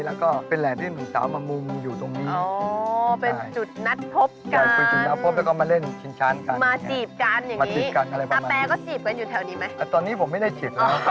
แล้วก็เป็นแหล่ที่หนุ่มสาวมามุงอยู่ตรงนี้ไหม